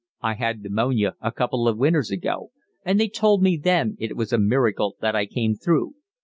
"I had pneumonia a couple of winters ago, and they told me then it was a miracle that I came through.